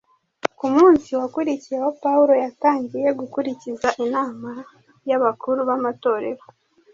Ku munsi wakurikiyeho Pawulo yatangiye gukurikiza inama y’abakuru b’amatorero.